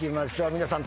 皆さん